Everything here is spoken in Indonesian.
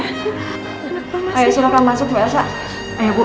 makasih ya sayang